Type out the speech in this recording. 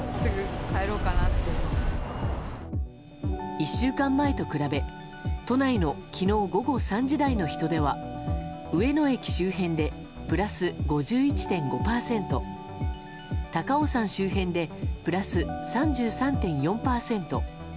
１週間前と比べ都内の昨日午後３時台の人出は上野駅周辺でプラス５１．５％高尾山周辺でプラス３３．４％